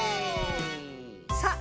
さあ